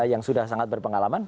yang sudah sangat berpengalaman